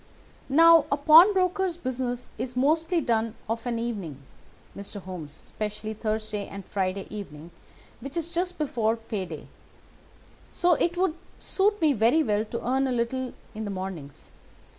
"Now a pawnbroker's business is mostly done of an evening, Mr. Holmes, especially Thursday and Friday evening, which is just before pay day; so it would suit me very well to earn a little in the mornings.